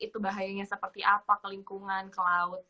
itu bahayanya seperti apa ke lingkungan ke laut